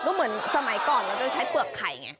ก็เหมือนสมัยก่อนเราจะใช้เปลือกไข่ไง